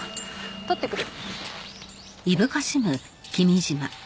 取ってくる。